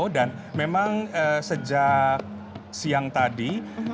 memang sejak siang tadi